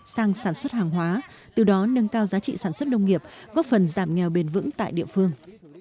sang sản xuất hàng hóa từ đó nâng cao giá trị sản xuất nông nghiệp góp phần giảm nghèo bền vững tại địa phương